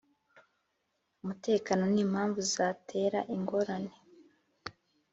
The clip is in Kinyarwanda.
umutekano n impamvu zatera ingorane